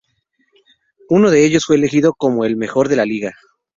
Uno de ellos fue elegido como el mejor de la liga.